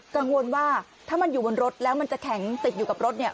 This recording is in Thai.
กังวลว่าถ้ามันอยู่บนรถแล้วมันจะแข็งติดอยู่กับรถเนี่ย